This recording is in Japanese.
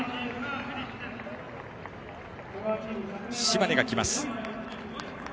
島根が来ます。